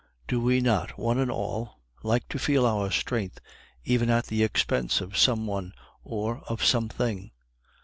Do we not, one and all, like to feel our strength even at the expense of some one or of something?